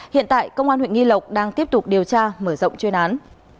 hiện tại công an huyện nghi lộc đang tiếp tục điều tra mở rộng chuyên án